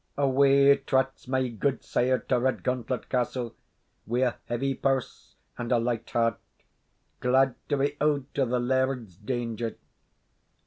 Away trots my gudesire to Redgauntlet Castle wi' a heavy purse and a light heart, glad to be out of the laird's danger.